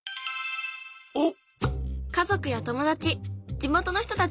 おっ！